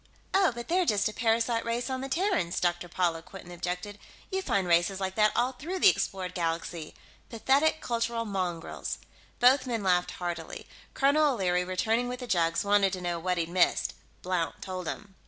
"Oh, but they're just a parasite race on the Terrans," Dr. Paula Quinton objected. "You find races like that all through the explored galaxy pathetic cultural mongrels." Both men laughed heartily. Colonel O'Leary, returning with the jugs, wanted to know what he'd missed. Blount told him.